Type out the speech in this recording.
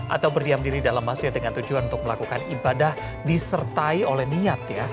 atau berdiam diri dalam masjid dengan tujuan untuk melakukan ibadah disertai oleh niat ya